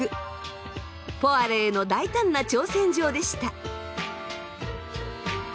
ポワレへの大胆な挑戦状でした。